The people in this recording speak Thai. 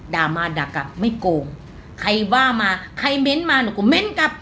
ด่ามาด่ากลับไม่โกงใครว่ามาใครเม้นต์มาหนูก็เม้นกลับ